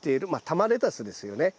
玉レタスですよね。